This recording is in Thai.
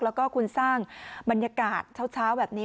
แล้วก็คุณสร้างบรรยากาศเช้าแบบนี้